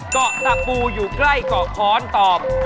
เกาะตะปูอยู่ใกล้เกาะค้อนตอบ